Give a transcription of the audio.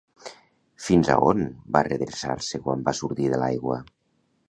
Fins a on va redreçar-se quan va sortir de l'aigua?